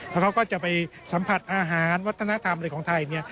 แล้วเขาก็จะไปสัมผัสอาหารวัฒนธรรมอะไรของไทยเนี่ย